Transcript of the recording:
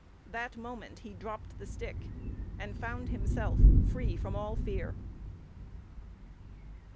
That moment he dropped the stick, and found himself free from all fear.